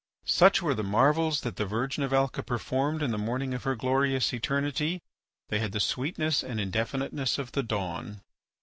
Such were the marvels that the virgin of Alca performed in the morning of her glorious eternity; they had the sweetness and indefiniteness of the dawn.